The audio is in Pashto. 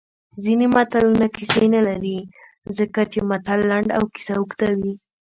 ځینې متلونه کیسې نه لري ځکه چې متل لنډ او کیسه اوږده وي